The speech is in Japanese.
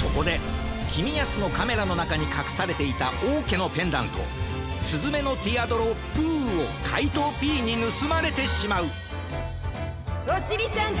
そこできみやすのカメラのなかにかくされていたおうけのペンダント「すずめのティアドロップゥ」をかいとうＰにぬすまれてしまう・おしりたんてい！